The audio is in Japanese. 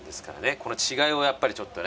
この違いをやっぱりちょっとね。